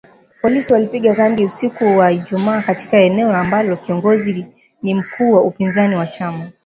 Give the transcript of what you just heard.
Polisi walipiga kambi usiku wa Ijumaa katika eneo ambalo kiongozi ni mkuu wa upinzani wa chama